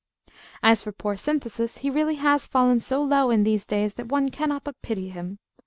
As for poor Synthesis, he really has fallen so low in these days, that one cannot but pity him.